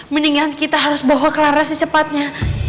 mendingan kita harus bawa clara secepatnya